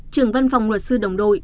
trưởng văn phòng luật sư đồng đôi